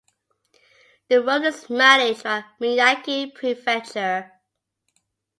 The road is managed by Miyagi Prefecture.